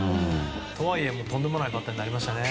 とはいえ、とんでもないバッターになりましたね。